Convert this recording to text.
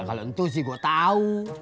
kalau itu sih gue tahu